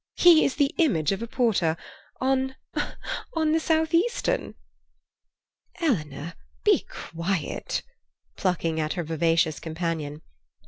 "He is the image of a porter—on, on the South Eastern." "Eleanor, be quiet," plucking at her vivacious companion.